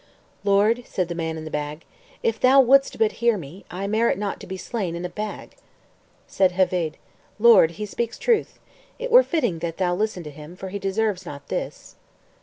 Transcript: "Lord," said the man in the bag, "if thou wouldst but hear me, I merit not to be slain in a bag." Said Heveydd, "Lord, he speaks truth; it were fitting that thou listen to him, for he deserves not this."